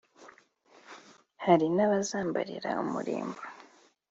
Hari n’abazambarira umurimbo